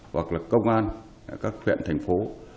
hoặc lực công an các huyện thành phố